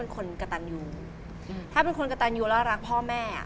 คนก็ตั้งอยู่แล้วรักพ่อแม่